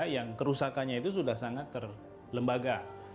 yang kerusakannya itu sudah sangat terlembaga